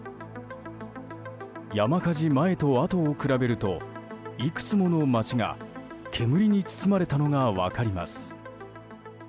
山火事前とあとを比べるといくつもの町が煙に包まれたのが分かります。